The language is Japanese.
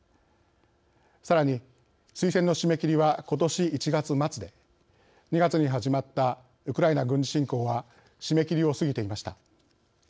さらに推薦の締め切りは今年、１月末で２月に始まったウクライナ軍事侵攻は締め切りを過ぎていました。